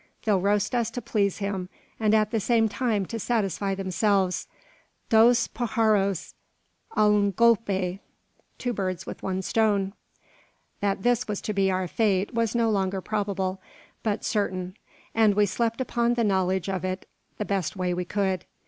They'll roast us to please him, and at the same time to satisfy themselves. Dos pajaros al un golpe!" (Two birds with one stone.) That this was to be our fate was no longer probable, but certain; and we slept upon the knowledge of it the best way we could.